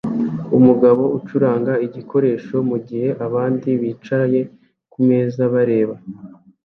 Umugabo ucuranga igikoresho mugihe abandi bicaye kumeza bareba